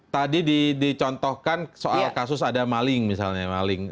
tadi dicontohkan soal kasus ada maling misalnya maling